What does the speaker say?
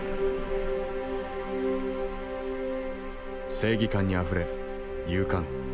正義感にあふれ勇敢。